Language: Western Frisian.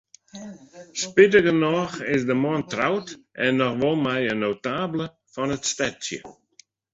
Spitigernôch is de man troud, en noch wol mei in notabele fan it stedsje.